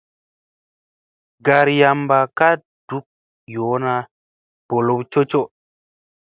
Garyamba kaa duk yoona ɓolow cocoo.